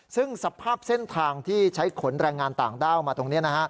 ซึ่งสภาพเส้นทางที่ใช้ขนแรงงานต่างด้าวมาตรงนี้